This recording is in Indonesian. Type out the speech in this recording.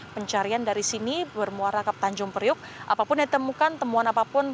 pencarian dari sini bermuara ke tanjung priuk apapun yang ditemukan temuan apapun